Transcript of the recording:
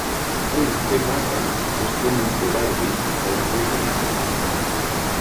Un "Pepatah" és com un "proverbi" o una "dita".